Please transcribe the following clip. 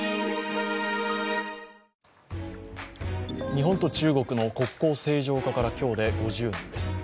日本と中国の国交正常化から今日で５０年です。